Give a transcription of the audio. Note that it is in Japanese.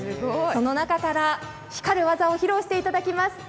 その中から光る技を披露していただきます。